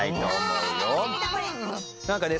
何かね